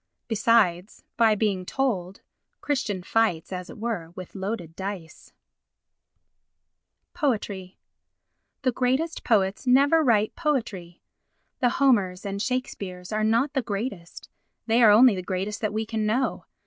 Besides, by being told, Christian fights, as it were, with loaded dice. Poetry The greatest poets never write poetry. The Homers and Shakespeares are not the greatest—they are only the greatest that we can know.